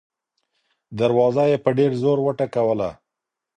دروازه يې په ډېر زور وټکوله.